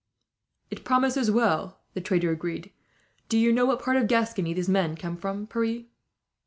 "It promises well," the trader agreed. "Do you know what part of Gascony these men come from, Pierre?"